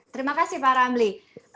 terima kasih pak ramli